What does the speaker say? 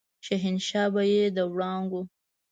شهنشاه به يې د وړانګو